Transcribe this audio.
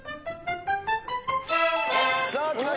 さあきました。